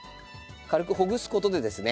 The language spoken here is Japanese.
軽くほぐすことでですね